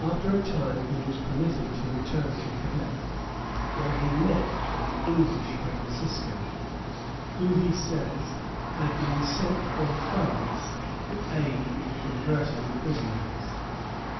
After a time he was permitted to return to Quebec, where he met an English Franciscan, who, he says, had been sent from France to aid in converting the prisoners.